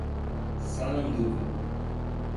Sananduva